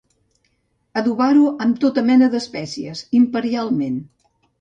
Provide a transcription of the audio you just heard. Adobar-ho amb tota mena d'espècies, imperialment.